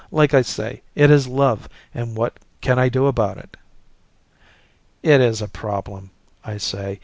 Like I say, it is love and what can I do about it." "It is a problem," I say.